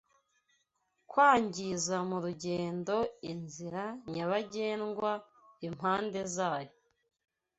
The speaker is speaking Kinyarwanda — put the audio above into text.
Kwangiza mu rugendo inzira nyabagendwa impande zayo